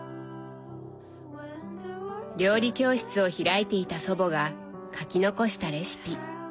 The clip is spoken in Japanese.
料理教室を開いていた祖母が書き残したレシピ。